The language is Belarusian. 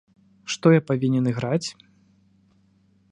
Што я павінен іграць?